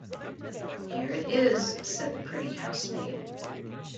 ‘Here it is,’ said the pretty housemaid.